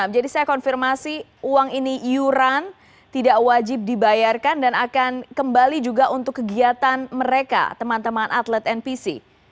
jadi saya konfirmasi uang ini iuran tidak wajib dibayarkan dan akan kembali juga untuk kegiatan mereka teman teman atlet npc